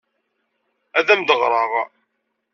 Ad am-d-ɣreɣ.